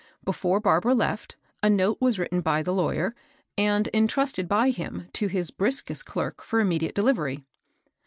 Before Barbara left, a note was written by the lawyer, and entrusted by him to his brid^est clerk for immediate delivery.